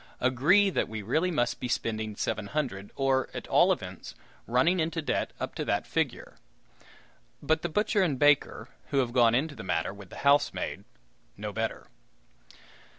agree that we really must be spending seven hundred, or at all events, running into debt up to that figure; but the butcher and baker, who have gone into the matter with the housemaid, know better.